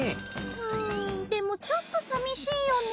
うんでもちょっとさみしいよね。